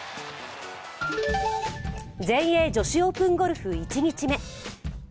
全英女子オープンゴルフ１日目。